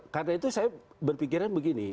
karena itu saya berpikiran begini